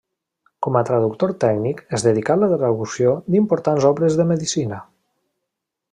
Com a traductor tècnic es dedicà a la traducció d'importants obres de medicina.